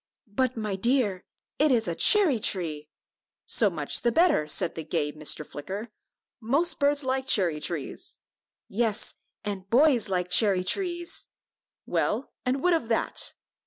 "But, my dear, it is a cherry tree." "So much the better," said the gay Mr. Flicker; "most birds like cherry trees." "Yes, and boys like cherry trees!" "Well, and what of that?"